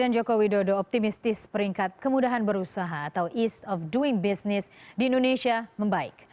jokowi dodo optimistis peringkat kemudahan berusaha atau ease of doing business di indonesia membaik